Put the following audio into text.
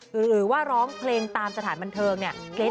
หรือว่าร้องเพลงตามสถานบันเทิงเนี่ย